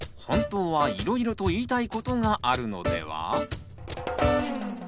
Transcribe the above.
本当はいろいろと言いたいことがあるのでは？